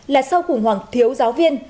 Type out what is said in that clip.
là sau khủng hoảng thiếu giáo viên